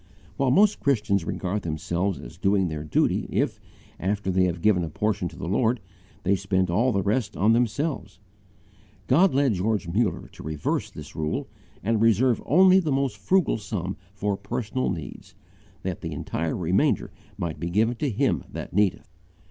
While most Christians regard themselves as doing their duty if, after they have given a portion to the Lord, they spend all the rest on themselves, God led George Muller to reverse this rule and reserve only the most frugal sum for personal needs, that the entire remainder might be given to him that needeth.